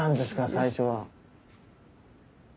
最初は。